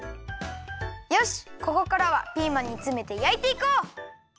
よしここからはピーマンにつめてやいていこう！